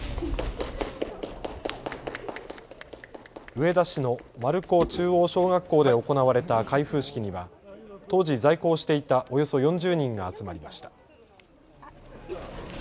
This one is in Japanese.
上田市の丸子中央小学校で行われた開封式には当時、在校していたおよそ４０人が集まりました。